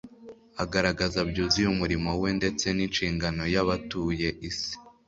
agaragaza byuzuye umurimo We ndetse n’inshingano y’abatuye isi